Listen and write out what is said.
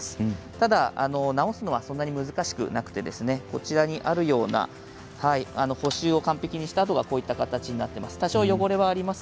ただ、直すのはそんなに難しくなくてこちらにあるような補修を完璧にしたあとはこういう形になっています。